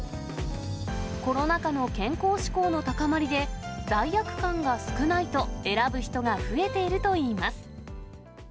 コロナ禍の健康志向の高まりで、罪悪感が少ないと、選ぶ人が増えているといいます。